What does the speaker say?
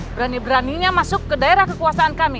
berani beraninya masuk ke daerah kekuasaan kami